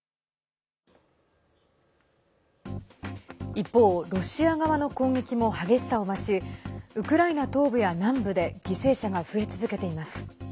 一方、ロシア側の攻撃も激しさを増しウクライナ東部や南部で犠牲者が増え続けています。